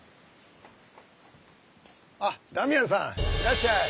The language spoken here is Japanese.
あっダミアンさんいらっしゃい！